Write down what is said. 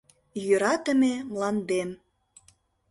Йӧратыме мландем!